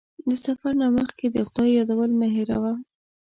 د سفر نه مخکې د خدای یادول مه هېروه.